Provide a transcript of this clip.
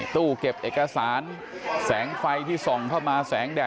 ตู้เก็บเอกสารแสงไฟที่ส่องเข้ามาแสงแดด